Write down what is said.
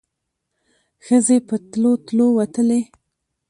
ښځې په تلو تلو وتلې.